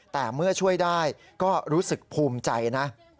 แต่เมื่อช่วยได้ก็รู้สึกภูมิใจนะ